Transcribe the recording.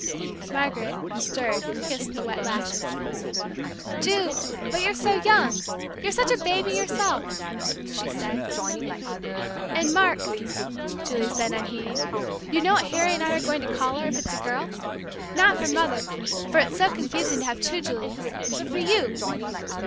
Margaret, stirred, kissed the wet lashes. "Ju, but you're so young you're such a baby yourself!" she said. "And, Mark," Julie said, unheeding, "you know what Harry and I are going to call her, if it's a girl? Not for Mother, for it's so confusing to have two Julias, but for you!